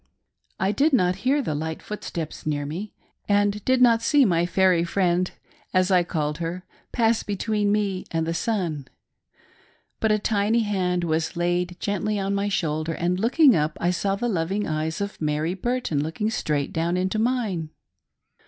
I did not hear the light footsteps near me, and did not see 96 FIRST WHISPERINGS OF POLYGAMY. my fairy friefid, as I called her, pass between me and the sun. But a tiny hand was laid gently on my shoulder, and looking up I saw the loving eyes of Mary Burton looking straight down into mine.